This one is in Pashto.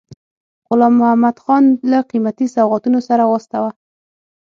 غلام محمدخان له قیمتي سوغاتونو سره واستاوه.